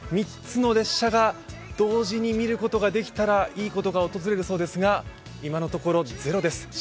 ３つの列車が同時に見ることができたら、いいことが訪れるそうですが今のところ、ゼロです。